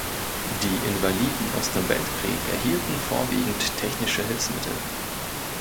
Die Invaliden aus dem Weltkrieg erhielten vorwiegend technische Hilfsmittel.